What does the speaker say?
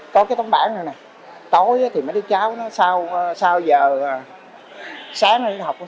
có cái tấm bản này này tối thì mấy đứa cháu nó sao giờ sáng nó đi học không